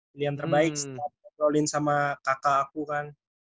pilihan terbaik setelah ngobrolin sama kakak aku kan